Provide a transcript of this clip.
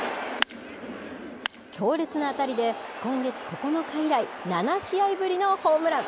強烈な当たりで、今月９日以来、７試合ぶりのホームラン。